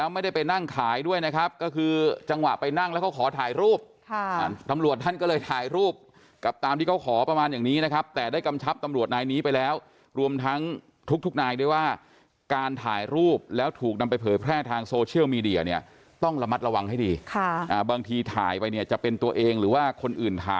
ไม่ได้ไปนั่งขายด้วยนะครับก็คือจังหวะไปนั่งแล้วเขาขอถ่ายรูปตำรวจท่านก็เลยถ่ายรูปกับตามที่เขาขอประมาณอย่างนี้นะครับแต่ได้กำชับตำรวจนายนี้ไปแล้วรวมทั้งทุกนายด้วยว่าการถ่ายรูปแล้วถูกนำไปเผยแพร่ทางโซเชียลมีเดียเนี่ยต้องระมัดระวังให้ดีบางทีถ่ายไปเนี่ยจะเป็นตัวเองหรือว่าคนอื่นถ่าย